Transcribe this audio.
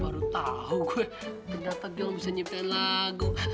baru tahu gue pergata gilang bisa nyiptain lagu